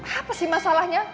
apa sih masalahnya